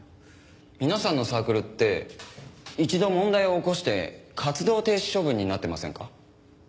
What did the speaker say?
皆さんのサークルって一度問題を起こして活動停止処分になってませんか？